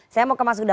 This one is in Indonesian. saya mau ke mas huda